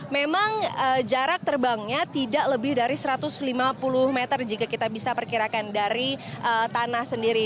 memang jarak terbangnya tidak lebih dari satu ratus lima puluh meter jika kita bisa perkirakan dari tanah sendiri